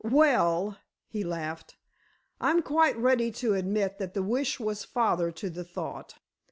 "Well," he laughed, "I'm quite ready to admit that the wish was father to the thought."